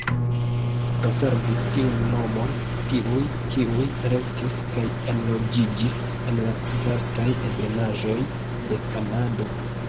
Konservis tiun nomon tiuj, kiuj restis kaj enloĝiĝis en la vastaj ebenaĵoj de Kanado.